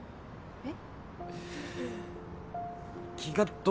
えっ。